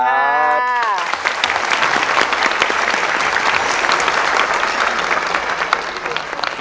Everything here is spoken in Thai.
สวัสดีครับ